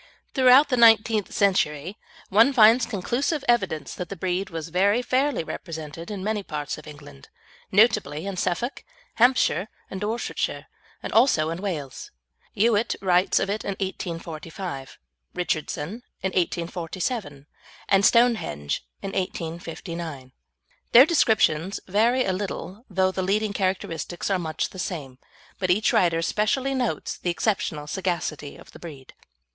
Throughout the nineteenth century, one finds conclusive evidence that the breed was very fairly represented in many parts of England, notably in Suffolk, Hampshire, and Dorsetshire, and also in Wales. Youatt writes of it in 1845, Richardson in 1847, and "Stonehenge" in 1859. Their descriptions vary a little, though the leading characteristics are much the same, but each writer specially notes the exceptional sagacity of the breed.